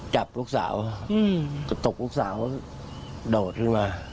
จับลูกสาวกระตกลูกสาวโดดขึ้นมา